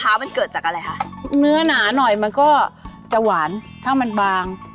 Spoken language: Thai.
อันนี้คือน้ำหวาน